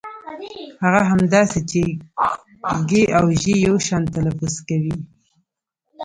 هغه هم داسې چې ږ او ژ يو شان تلفظ کوي.